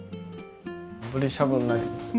ブリしゃぶになります。